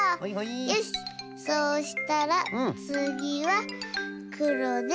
よしそうしたらつぎはくろで。